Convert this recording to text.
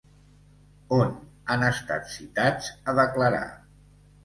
On han estat citats a declarar?